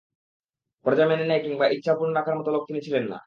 পরাজয় মেনে নেয়া কিংবা ইচ্ছা অপূর্ণ রাখার মত লোক তিনি ছিলেন না।